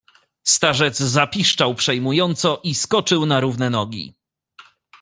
"Starzec zapiszczał przejmująco i skoczył na równe nogi."